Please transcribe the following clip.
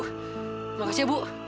terima kasih ibu